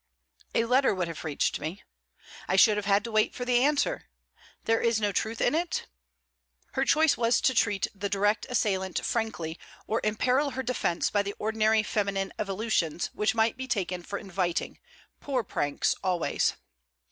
'A letter would have reached me.' 'I should have had to wait for the answer. There is no truth in it?' Her choice was to treat the direct assailant frankly or imperil her defence by the ordinary feminine evolutions, which might be taken for inviting: poor pranks always.